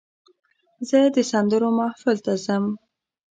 زه د سندرو محفل ته ځم.